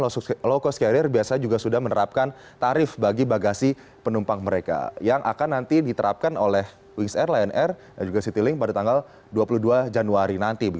atau low cost carrier biasanya juga sudah menerapkan tarif bagi bagasi penumpang mereka yang akan nanti diterapkan oleh wings air lion air dan juga citylink pada tanggal dua puluh dua januari nanti